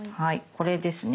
これですね。